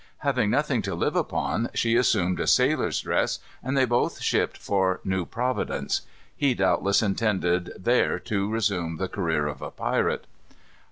Having nothing to live upon, she assumed a sailor's dress, and they both shipped for New Providence. He doubtless intended there to resume the career of a pirate.